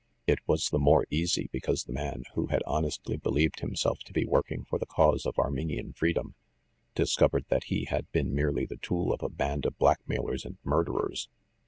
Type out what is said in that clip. It was the more easy because the man, who had honestly believed himself to be working for the cause of Armenian free dom, discovered that he had been merely the tool of a band of blackmailers and murderers.